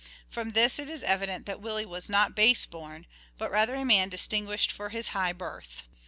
From this it is evident that " Willie " was not " base born," but rather a man distinguished for his high birth.